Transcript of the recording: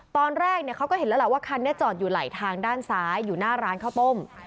ตอนแรกเขาก็เห็นแล้วล่ะว่าคันนี้จอดอยู่ไหลทางด้านซ้ายอยู่หน้าร้านข้าวต้ม